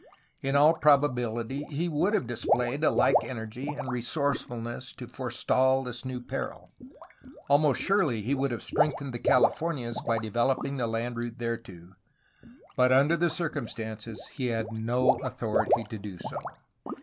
In all probability he would have displayed a like energy and re sourcefulness to forestall this new peril; almost surely he would have strengthened the Californias by developing the land route thereto, but under the circumstances he had no authority to do so.